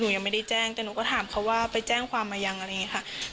ยังไม่ได้แจ้งแต่หนูก็ถามเขาว่าไปแจ้งความมายังอะไรอย่างนี้ค่ะ